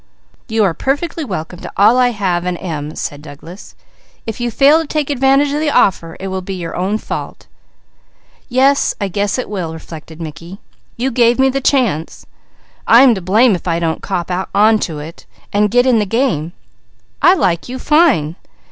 "You are perfectly welcome to all I have and am," said Douglas. "If you fail to take advantage of the offer, it will be your own fault." "Yes, I guess it will," reflected Mickey. "You gave me the chance. I am to blame if I don't cop on to it, and get in the game. I like you fine!